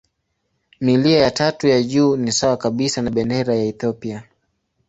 Milia ya tatu ya juu ni sawa kabisa na bendera ya Ethiopia.